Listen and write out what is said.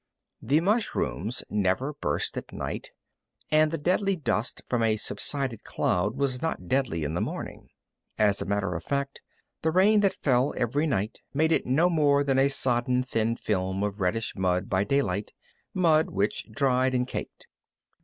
The mushrooms never burst at night, and the deadly dust from a subsided cloud was not deadly in the morning. As a matter of fact the rain that fell every night made it no more than a sodden, thin film of reddish mud by daybreak, mud which dried and caked.